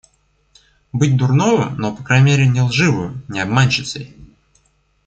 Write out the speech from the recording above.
Быть дурною, но по крайней мере не лживою, не обманщицей!